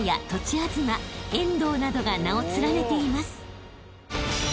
［などが名を連ねています］